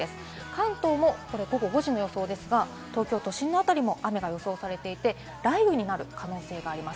関東も午後５時の予想ですが、東京都心の辺りも雨が予想されていて、雷雨になる可能性があります。